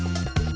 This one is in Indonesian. masuk dong nih